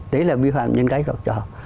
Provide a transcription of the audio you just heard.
đấy là vi phạm nhân cách học trò